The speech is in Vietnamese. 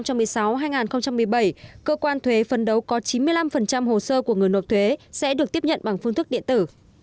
năm hai nghìn một mươi sáu hai nghìn một mươi bảy cơ quan thuế phấn đấu có chín mươi năm hồ sơ của người nộp thuế sẽ được tiếp nhận bằng phương thức điện tử